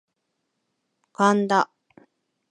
神田